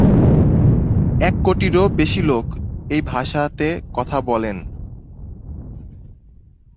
এক কোটিরও বেশি লোক এই ভাষাতে কথা বলেন।